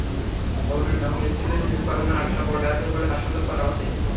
ভবনের ধ্বংসস্তূপের নিচে কয়েকজন আটকা পড়ে আছে বলে আশঙ্কা করা হচ্ছে।